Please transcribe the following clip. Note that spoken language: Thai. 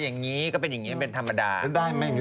มันจะได้ไหมเนี่ยถ้าสมมุติว่าอายุเท่านี้